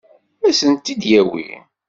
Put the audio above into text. Ad sent-t-id-yawi?